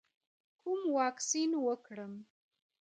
کوم واکسین وکړم؟